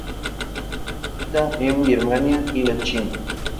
Habita en Birmania y la China.